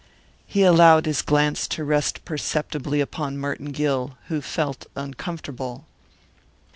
He allowed his glance to rest perceptibly upon Merton Gill, who felt uncomfortable.